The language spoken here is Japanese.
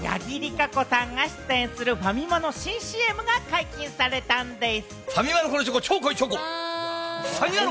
可子さんが出演するファミマの新ＣＭが解禁されたんでぃす。